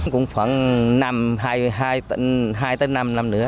cũng khoảng hai năm năm nữa